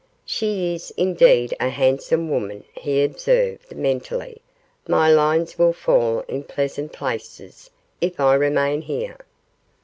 'She is, indeed, a handsome woman,' he observed, mentally; 'my lines will fall in pleasant places, if I remain here.